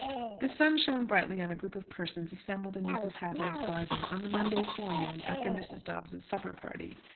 The sun shone brightly on a group of persons assembled in Mrs. Hadlow's garden on the Monday forenoon after Mrs. Dobbs's supper party.